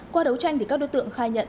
qua đấu tranh thì các đối tượng khai nhận